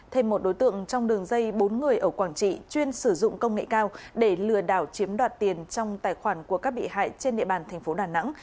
thêm một đối tượng trong đường dây bốn người ở quảng trị chuyên sử dụng công nghệ cao để lừa đảo chiếm đoạt tiền trong tài khoản của các bị hại trên địa bàn thành phố đà nẵng